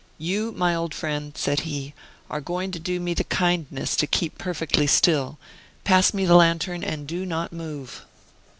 "You, my old friend," said he, "are going to do me the kindness to keep perfectly still: pass me the lantern and do not move."